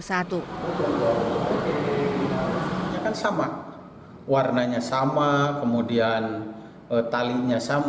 saya kan sama warnanya sama kemudian talinya sama